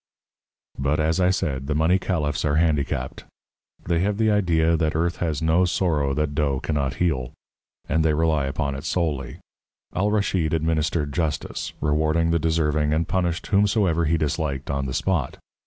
But, as I said, the money caliphs are handicapped. They have the idea that earth has no sorrow that dough cannot heal; and they rely upon it solely. Al Raschid administered justice, rewarding the deserving, and punished whomsoever he disliked on the spot.